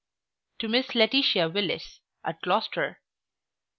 To Miss LAETITIA WILLIS, at Gloucester.